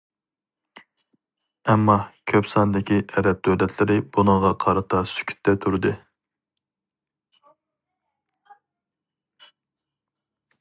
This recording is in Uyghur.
ئەمما كۆپ ساندىكى ئەرەب دۆلەتلىرى بۇنىڭغا قارىتا سۈكۈتتە تۇردى.